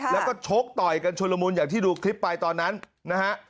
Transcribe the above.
แล้วก็ชกต่อยกันชุลมุนอย่างที่ดูคลิปไปตอนนั้นนะฮะ